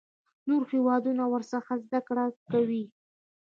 نور هیوادونه ورڅخه زده کړه کوي.